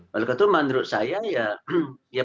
walaupun itu menurut saya ya